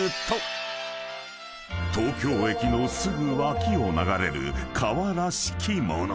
［東京駅のすぐ脇を流れる川らしきもの］